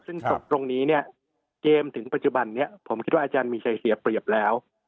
ซึ่งตรงนี้เนี่ยเกมถึงปัจจุบันนี้ผมคิดว่าอาจารย์มีชัยเสียเปรียบแล้ว